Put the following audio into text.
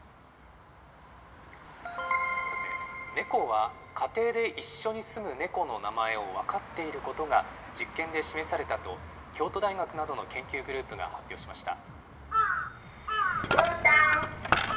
さて、猫は家庭で一緒に住む猫の名前を分かっていることが、実験で示されたと、京都大学などの研究グループが発表しました。